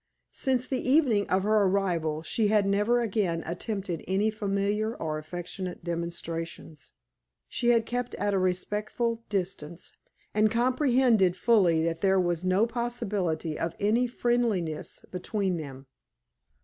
Since the evening of her arrival she had never again attempted any familiar or affectionate demonstrations. She had kept at a respectful distance, and comprehended fully that there was no possibility of any friendliness between them.